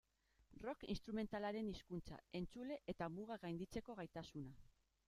Rock instrumentalaren hizkuntza, entzule eta mugak gainditzeko gaitasuna.